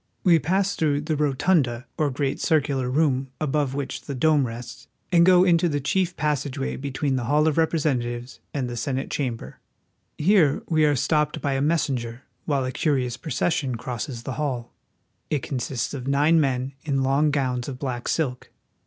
We pass through the rotunda, or great circular room above which the dome rests, and go on into the chief pas sageway between the hall of Representatives and the Senate chamber. Here we are stopped by a messenger while a curious procession crosses the hall. It consists of nine men in long gowns of black silk.